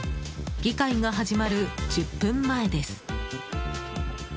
議会が始まる１０分前です。